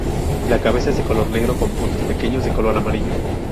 La cabeza es de color negro con puntos pequeños de color amarillo.